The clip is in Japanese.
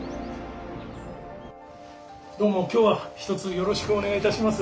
どうも今日はひとつよろしくお願いいたします。